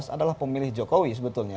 adalah pemilih jokowi sebetulnya